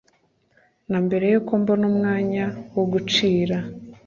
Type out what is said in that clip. na mbere yuko mbona umwanya wo gucira